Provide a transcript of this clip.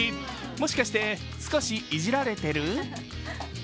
もしかして少しいじられてる？